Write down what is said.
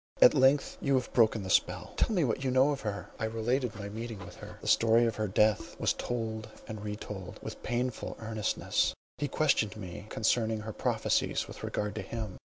At length you have broken the spell; tell me what you know of her." I related my meeting with her; the story of her death was told and re told. With painful earnestness he questioned me concerning her prophecies with regard to him.